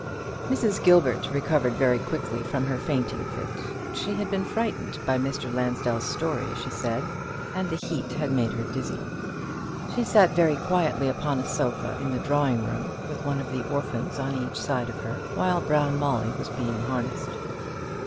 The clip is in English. Mrs. Gilbert recovered very quickly from her fainting fit. She had been frightened by Mr. Lansdell's story, she said, and the heat had made her dizzy. She sat very quietly upon a sofa, in the drawing room, with one of the orphans on each side of her, while Brown Molly was being harnessed.